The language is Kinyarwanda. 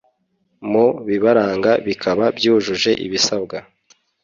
mu bibaranga bikaba byujuje ibisabwa